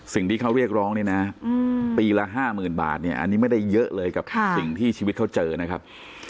สิ่งที่เขาเรียกร้องเนี่ยนะปีละ๕๐๐๐บาทเนี่ยอันนี้ไม่ได้เยอะเลยกับสิ่งที่ชีวิตเขาเจอนะครับ